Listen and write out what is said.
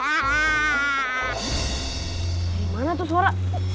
gimana tuh suara